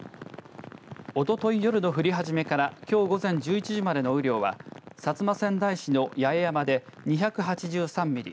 おととい夜の降り始めからきょう午前１１時までの雨量は薩摩川内市の八重山で２８３ミリ